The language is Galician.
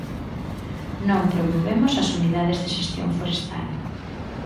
Non promovemos as Unidades de Xestión Forestal.